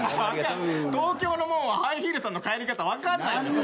東京のもんはハイヒールさんの帰り方分かんないですよ。